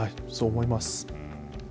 そう思います。